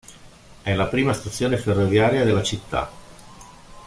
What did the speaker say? È la prima stazione ferroviaria della città.